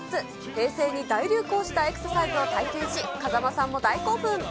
平成に大流行したエクササイズを体験し、風間さんも大興奮。